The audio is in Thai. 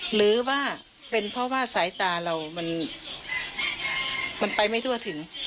หรือว่าเป็นเพราะว่าสายตาเรามันไปไม่ทั่วถึง